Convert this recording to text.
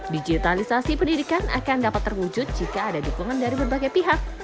digitalisasi pendidikan akan dapat terwujud jika ada dukungan dari berbagai pihak